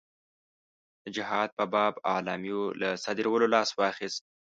د جهاد په باب اعلامیو له صادرولو لاس واخیست.